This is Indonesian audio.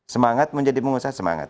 semangat mau jadi pengusaha semangat